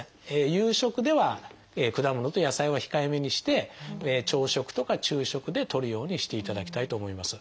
夕食では果物と野菜は控えめにして朝食とか昼食でとるようにしていただきたいと思います。